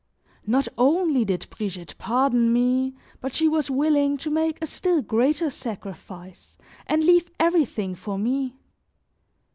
Not only did Brigitte pardon me, but she was willing to make a still greater sacrifice and leave everything for me.